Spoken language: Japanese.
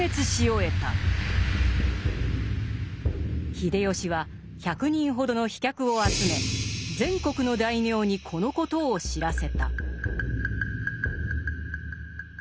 秀吉は１００人ほどの飛脚を集め全国の大名にこのことを知らせた。